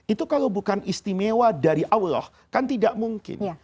itu kalau bukan istimewa dari allah kan tidak mungkin